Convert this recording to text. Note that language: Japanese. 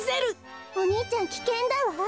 お兄ちゃんきけんだわ！